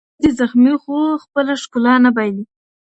ختي زغمي خو خپله ښکلا نه بایلي.